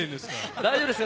大丈夫ですか？